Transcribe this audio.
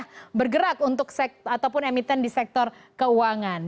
bisa bergerak untuk ataupun emiten di sektor keuangan